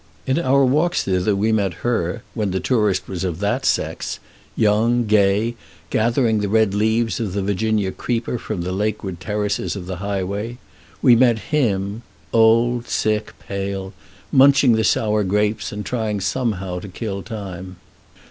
In our walks thither we met her when the tourist was of that sex young, gay, gathering the red leaves of the Virginia creeper from the lakeward terraces of the highway; we met him, old, sick, pale, munching the sour grapes, and trying somehow to kill the time.